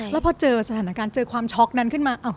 แล้วพอเจอสถานการณ์เจอความช็อกนั้นขึ้นมา